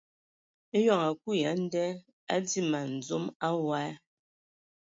Eyɔŋ a kui ya a nda a dii man dzom awɔi.